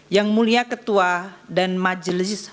yang mulia ketua dan majelis hakim